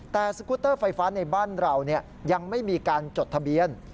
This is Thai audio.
แต่สกุตเตอร์ไฟฟ้าในบ้านเรายังไม่มีการจดทะเบียน